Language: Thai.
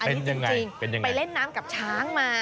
อันนี้จริงไปเล่นน้ำกับช้างมา